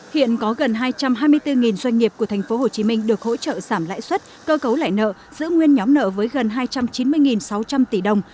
hiện có gần hai trăm hai mươi bốn doanh nghiệp của tp hcm được hỗ trợ giảm lãi suất cơ cấu lại nợ giữ nguyên nhóm nợ với gần hai trăm chín mươi sáu trăm linh tỷ đồng